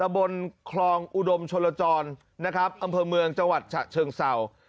บนคลองอุดมชนลจรนะครับอำเภอเมืองจังหวัดฉะเชิงเศร้า